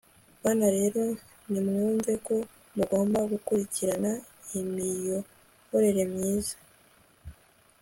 bana rero nimwumve ko mugomba gukurikirana imiyoborere myiza